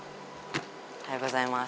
おはようございます。